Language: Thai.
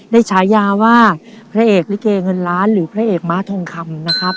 ฉายาว่าพระเอกลิเกเงินล้านหรือพระเอกม้าทองคำนะครับ